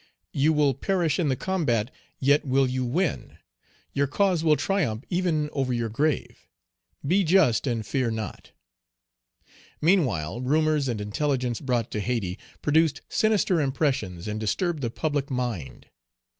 You will perish in the combat, yet will you win; your cause will triumph even over your grave. Be just, and fear not. Meanwhile, rumors and intelligence brought to Hayti produced sinister impressions, and disturbed the public mind.